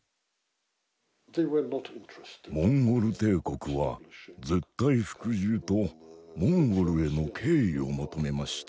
モンゴル帝国は絶対服従とモンゴルへの敬意を求めました。